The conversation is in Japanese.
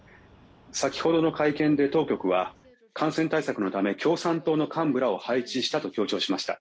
先ほどの会見で当局は感染対策のため共産党の幹部らを配置したと強調しました。